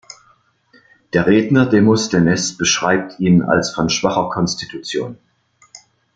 Der Redner Demosthenes beschreibt ihn als von schwacher Konstitution.